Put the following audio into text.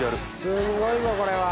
すごいぞこれは！